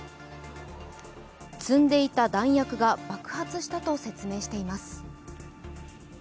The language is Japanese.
積んでいた弾薬が爆発したと説明しています。